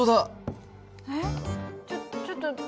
えっちょちょっと。